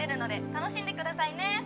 楽しんでくださいね」